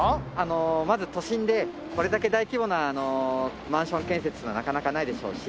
まず都心でこれだけ大規模なマンション建設はなかなかないでしょうし。